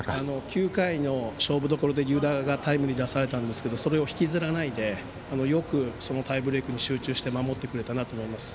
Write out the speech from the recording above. ９回の勝負どころで湯田がタイムリー出されたんですがそれを引きずらないでよくタイブレークに集中して守ってくれたなと思います。